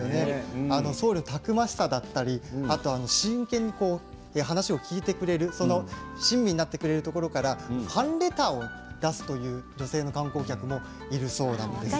僧侶はたくましさだったり真剣に話を聞いてくれる親身になってくれるところからファンレターを出す女性の観光客もいるそうなんです。